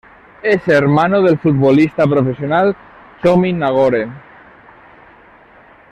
Es hermano del futbolista profesional Txomin Nagore.